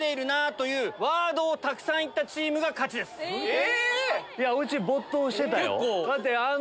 え？